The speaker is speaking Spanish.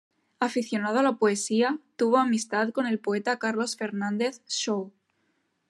Aficionado a la poesía, tuvo amistad con el poeta Carlos Fernández Shaw.